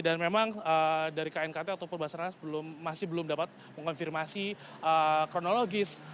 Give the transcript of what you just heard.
dan memang dari knkt ataupun basarnas masih belum dapat mengkonfirmasi kronologis